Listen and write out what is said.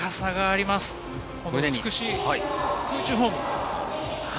美しい空中フォーム。